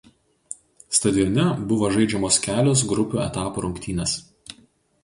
Stadione buvo žaidžiamos kelios grupių etapo rungtynės.